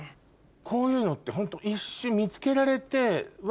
こういうのってホント一瞬見つけられて。